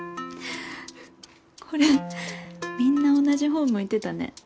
これみんな同じほう向いてたね。